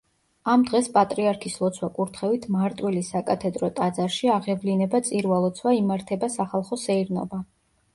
ამ დღეს პატრიარქის ლოცვა-კურთხევით მარტვილის საკათედრო ტაძარში აღევლინება წირვა-ლოცვა იმართება სახალხო სეირნობა.